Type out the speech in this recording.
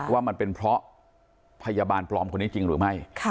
ว่ามันเป็นเพราะพยาบาลปลอมคนนี้จริงหรือไม่